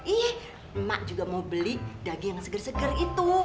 ih emak juga mau beli daging yang seger seger itu